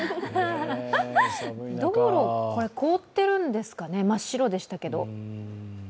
道路、凍ってるんですかね、真っ白でしたけど。